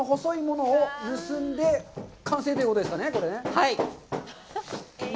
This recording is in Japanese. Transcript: はい。